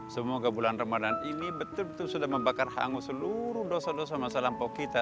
semoga bulan ramadan ini betul betul sudah membakar hangus seluruh dosa dosa masa lampau kita